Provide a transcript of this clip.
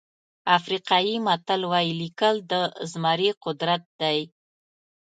افریقایي متل وایي لیکل د زمري قدرت دی.